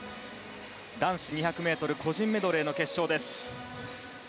男子２００ｍ個人メドレーの決勝です。